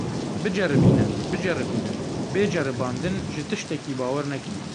Biceribînin, biceribînin, bê ceribandin ji tiştekî bawer nekin.